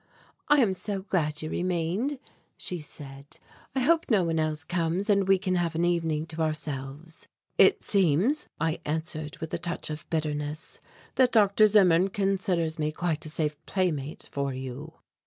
"I am so glad you remained," she said. "I hope no one else comes and we can have the evening to ourselves." "It seems," I answered with a touch of bitterness, "that Dr. Zimmern considers me quite a safe playmate for you."